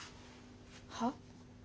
はっ？